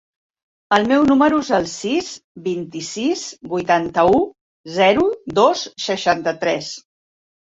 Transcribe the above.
El meu número es el sis, vint-i-sis, vuitanta-u, zero, dos, seixanta-tres.